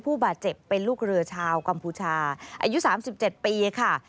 ผู้บาดเจ็บเป็นลูกเรือชาวกัมพูชาอายุ๓๗ปีค่ะ